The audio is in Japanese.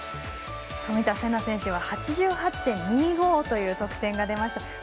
冨田せな選手は８８．２５という得点が出ました。